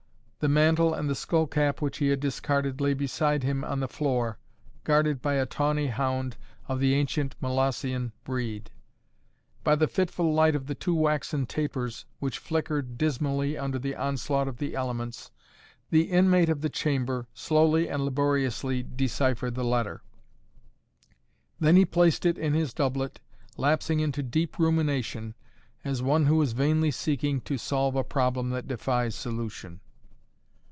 The mantle and the skull cap which he had discarded lay beside him on the floor, guarded by a tawny hound of the ancient Molossian breed. By the fitful light of the two waxen tapers, which flickered dismally under the onslaught of the elements, the inmate of the chamber slowly and laboriously deciphered the letter. Then he placed it in his doublet, lapsing into deep rumination, as one who is vainly seeking to solve a problem that defies solution.